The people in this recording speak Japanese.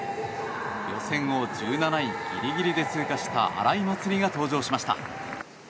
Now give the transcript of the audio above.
予選を１７位ギリギリで通過した荒井祭里が登場しました。